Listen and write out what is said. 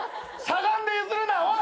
しゃがんで譲るなおい！